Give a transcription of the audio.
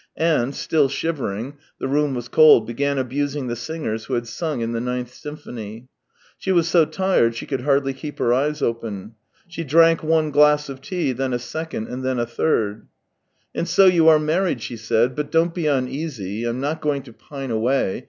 and, still shivering — the room was cold — began abusing the singers who had sung in the ninth symphony. She was so tired she could hardly keep her eyes open. She drank one glass of tea, then a second, and then a third. 236 THE TALES OF TCHEHOV "And so you are married," she said. "But don't be uneasy; I'm not going to pine away.